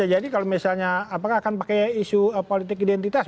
ya jadi kalau misalnya apakah akan pakai isu politik identitas